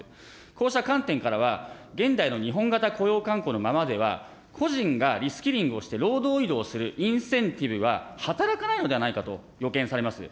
こうした観点からは、現代の日本型雇用慣行のままでは、個人がリスキリングをして労働移動をするインセンティブは働かないのではないかと予見されます。